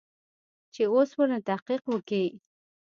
چې اوس ورنه تحقيق وکې.